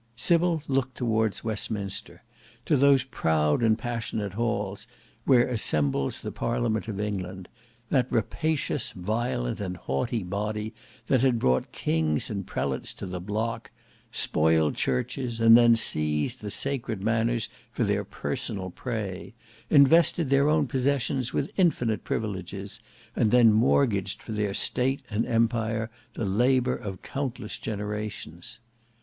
Sybil looked towards Westminster, to those proud and passionate halls where assembles the Parliament of England; that rapacious, violent, and haughty body, that had brought kings and prelates to the block; spoiled churches and then seized the sacred manors for their personal prey; invested their own possessions with infinite privileges, and then mortgaged for their state and empire the labour of countless generations.